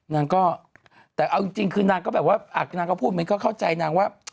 นางก็แต่เอาจริงคือนางก็แบบว่านางก็พูดมันก็เข้าใจนางว่า